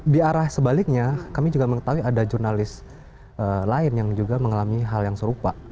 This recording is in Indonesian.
di arah sebaliknya kami juga mengetahui ada jurnalis lain yang juga mengalami hal yang serupa